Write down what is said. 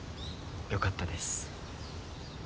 よかったです。